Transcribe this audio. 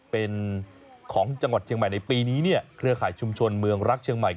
เป็นของจังหวัดเชียงใหม่ในปีนี้เนี่ยเครือข่ายชุมชนเมืองรักเชียงใหม่